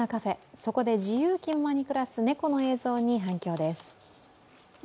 そこで自由気ままに暮らす猫の映像に反響です。